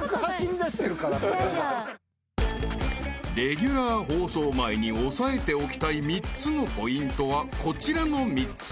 ［レギュラー放送前に押さえておきたい３つのポイントはこちらの３つ］